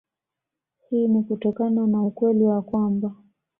Hii ni kutokana na ukweli wa kwamba